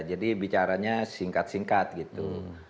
jadi bicaranya singkat singkat gitu